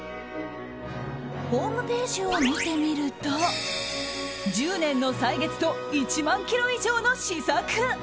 ホームページを見てみると１０年の歳月と１万ｋｇ以上の試作。